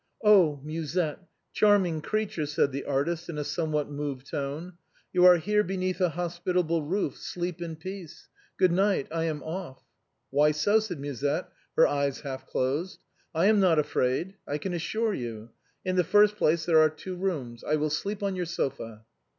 " Oh ! Musette, charming creature !" said the artist in a somewhat moved tone, "you are here beneath a hospi table roof, sleep in peace. Good night, I am off." " Why so ?" said Musette, her eyes half closed ;" I am not afraid, I can assure you. In the first place, there are two rooms, I will sleep on your sofa."